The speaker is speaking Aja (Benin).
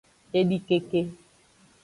Edikeke.